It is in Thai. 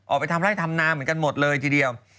ออกไปทำไร่ทำนาเหมือนกันหมดเลยทีเดียว